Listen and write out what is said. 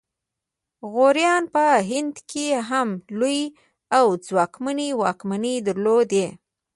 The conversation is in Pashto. غوریانو په هند کې هم لویې او ځواکمنې واکمنۍ درلودې